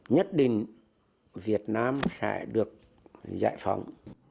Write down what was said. nhất định việt nam sẽ được giải phóng